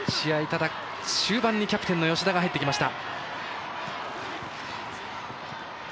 ただ、終盤にキャプテンの吉田が入ってきました。